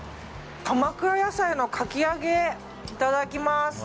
鎌倉野菜のかき揚げいただきます。